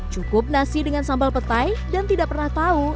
cukup nasi dengan sambal petai dan tidak pernah tahu